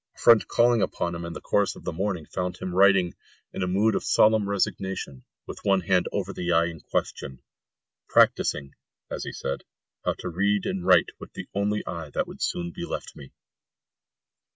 A friend calling upon him in the course of the morning found him writing, in a mood of solemn resignation, with one hand over the eye in question, "practising," as he said, "how to read and write with the only eye that would soon be left him."